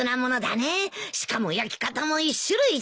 しかも焼き方も１種類じゃない。